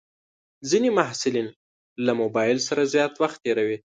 ځینې محصلین له موبایل سره زیات وخت تېروي.